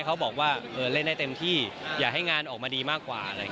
เขาบอกว่าเล่นได้เต็มที่อยากให้งานออกมาดีมากกว่า